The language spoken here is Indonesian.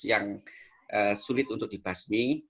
yang sulit untuk dibasmi